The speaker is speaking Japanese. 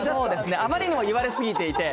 あまりにも言われ過ぎていて。